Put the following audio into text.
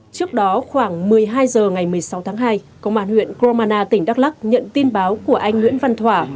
trước đó khoảng một mươi hai h ngày một mươi sáu tháng hai công an huyện kromana tỉnh đắk lắc nhận tin báo của anh nguyễn văn thỏa